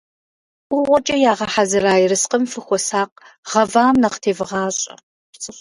ӀугъуэкӀэ ягъэхьэзыра ерыскъым фыхуэсакъ, гъэвам нэхъ тевгъащӀэ.